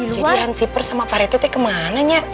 jadi hansi pers sama pak retete kemananya